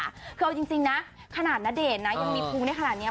คือเอาจริงจริงนะขนาดณเดชน์นะยังมีพุงได้ขนาดเนี้ย